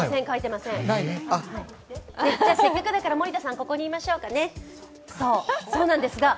せっかくだから、森田さん、ここにいましょうかね。